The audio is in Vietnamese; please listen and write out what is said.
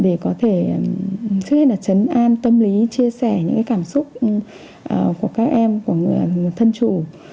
để có thể trước hết là chấn an tâm lý chia sẻ những cảm xúc của các em của người thân chủ